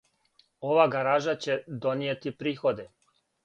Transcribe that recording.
Ова гаража ће донијети приходе.